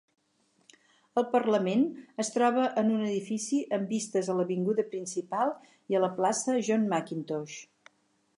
El Parlament es troba en un edifici amb vistes a l'avinguda principal i a la plaça John Mackintosh.